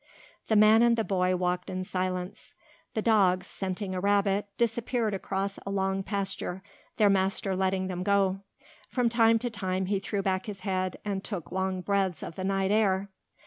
The man and the boy walked in silence. The dogs, scenting a rabbit, disappeared across a long pasture, their master letting them go. From time to time he threw back his head and took long breaths of the night air.